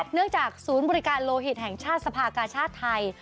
เนื่องจากศูนย์บริการโลหิตแห่งชาติสภากาชาติไทย